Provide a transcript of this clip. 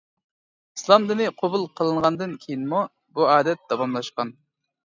ئىسلام دىنى قوبۇل قىلىنغاندىن كېيىنمۇ بۇ ئادەت داۋاملاشقان.